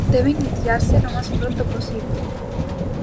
Debe iniciarse lo más pronto posible.